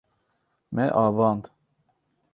Me avand.